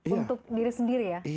untuk diri sendiri ya pak kiai